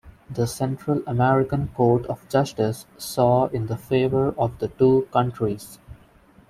The Central American Court of Justice saw in the favor of the two countries.